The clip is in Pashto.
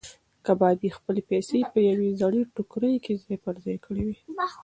کبابي خپلې پیسې په یوې زړې ټوکرۍ کې ځای پر ځای کړې وې.